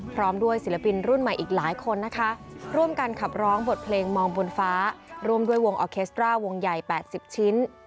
พร้อมด้วยศิลปินรุ่นใหม่อีกหลายคนนะคะร่วมกันขับร้องบทเพลงมองบนฟ้าร่วมด้วยวงออเคสตราวงใหญ่๘๐ชิ้น